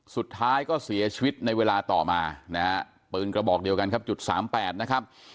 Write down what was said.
สุดท้ายก็เสียชีวิตในเวลาต่อมานะฮะปืนกระบอกเดียวกันครับจุดสามแปดนะครับ